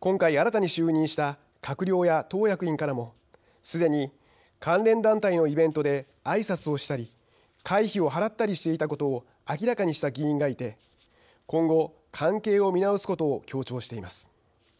今回、新たに就任した閣僚や党役員からも、すでに関連団体のイベントであいさつをしたり会費を払ったりしていたことを明らかにした議員がいて今後、関係を見直すことを強調しています。